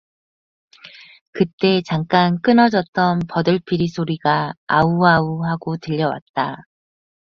그때 잠깐 끊어졌던 버들피리 소리가 아우아우 하고 들려 왔다.